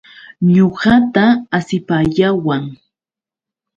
Ñuqata asipayawan.